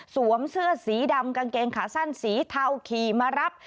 เสื้อสีดำกางเกงขาสั้นสีเทาขี่มารับ